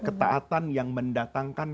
ketaatan yang mendatangkan